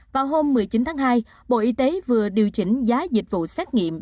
vào hôm một mươi chín tháng hai bộ y tế vừa điều chỉnh giá dịch vụ xét nghiệm